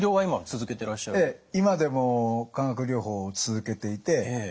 ええ。